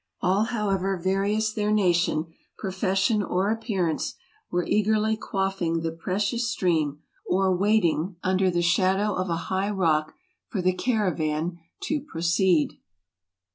All, however various their nation, profession, or appear ance, were eagerly quaffing the precious stream or waiting 253 254 TRAVELERS AND EXPLORERS under "the shadow of a high rock" for the caravan to proceed.